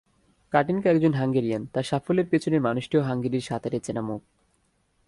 কাটিনকা একজন হাঙ্গেরিয়ান, তাঁর সাফল্যের পেছনের মানুষটিও হাঙ্গেরির সাঁতারে চেনা মুখ।